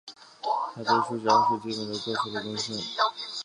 他对数学物理和基本理论物理学做出了贡献。